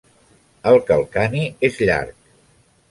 El calcani és llarg.